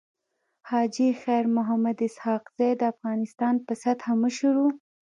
حاجي خير محمد اسحق زی د افغانستان په سطحه مشر وو.